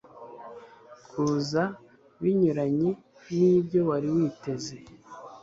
kuza binyuranye nibyo wari witeze